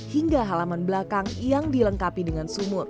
hingga halaman belakang yang dilengkapi dengan pintu merah